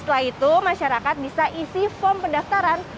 setelah itu masyarakat bisa isi form pendaftaran